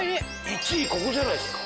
１位ここじゃないですか？